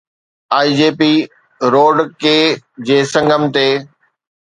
IJP road K جي سنگم تي